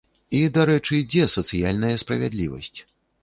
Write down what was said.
І, дарэчы, дзе сацыяльная справядлівасць?